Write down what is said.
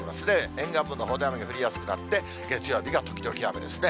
沿岸部のほうで雨が降りやすくなって、月曜日が時々雨ですね。